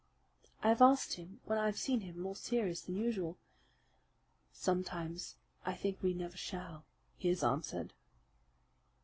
I have asked him when I have seen him more serious than usual. 'Sometimes I think that we never shall,' he has answered."